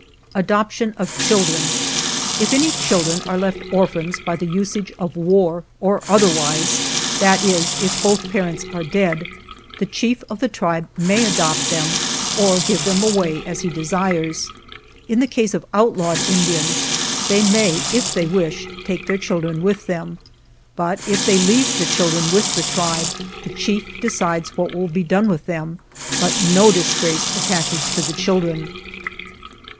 Adoption of Children If any children are left orphans by the usage of war or otherwise, that is, if both parents are dead, the chief of the tribe may adopt them or give them away as he desires. In the case of outlawed Indians, they may, if they wish, take their children with them, but if they leave the children with the tribe, the chief decides what will be done with 186 UNWRITTEN LAWS them, but no disgrace attaches to the chil dren.